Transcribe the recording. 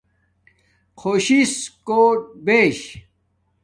خوش سس کوٹ بیش